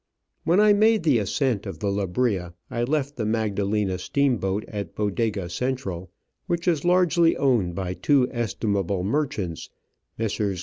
When I made the ascent of the Lebrija I left the Magdalena steamboat at Bodega Central, which is largely owned by two estimable merchants, Messrs.